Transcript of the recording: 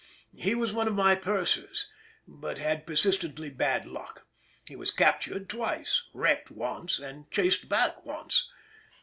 He was one of my pursers, but had persistently bad luck; he was captured twice, wrecked once, and chased back once.